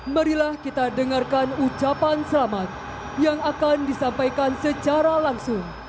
marilah kita dengarkan ucapan selamat yang akan disampaikan secara langsung